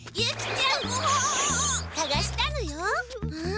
さがしたのよ。